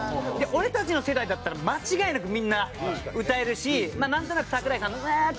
俺たちの世代だったら間違いなくみんな歌えるしなんとなく桜井さんの「ウウ」っていう